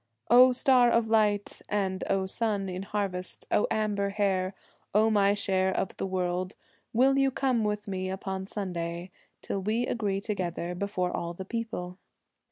O star of light and O sun in harvest, amber hair, O my share of the world, Will you come with me upon Sunday Till we agree together before all the people?